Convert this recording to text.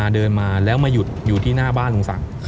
เดินมาแล้วมาหยุดอยู่ที่หน้าบ้านลุงศักดิ์